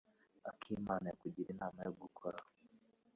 akimana yakugiriye inama yo gukora?